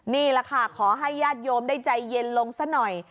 นี่แหละค่ะขอให้ญาติโยมได้ใจเย็นลงซะหน่อย